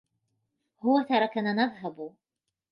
هو تركنا نذهب.